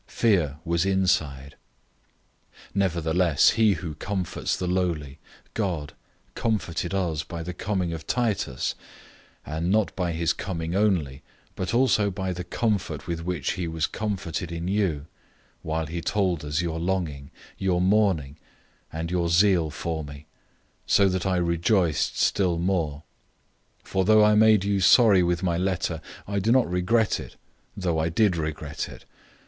Fear was inside. 007:006 Nevertheless, he who comforts the lowly, God, comforted us by the coming of Titus; 007:007 and not by his coming only, but also by the comfort with which he was comforted in you, while he told us of your longing, your mourning, and your zeal for me; so that I rejoiced still more. 007:008 For though I made you sorry with my letter, I do not regret it, though I did regret it.